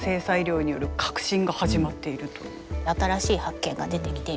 新しい発見が出てきています。